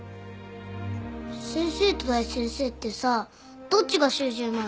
先生と大先生ってさどっちが習字うまいの？